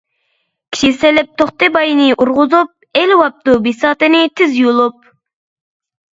كىشى سېلىپ توختى باينى ئۇرغۇزۇپ، ئېلىۋاپتۇ بىساتىنى تىز يۇلۇپ.